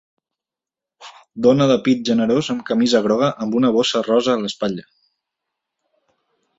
Dona de pit generós amb camisa groga amb una bossa rosa a l'espatlla